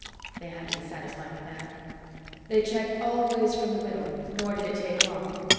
They had to be satisfied with that. They checked all ways from the middle, nor did it take long.